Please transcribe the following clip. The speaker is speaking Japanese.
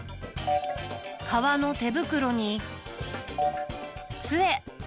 革の手袋に、つえ。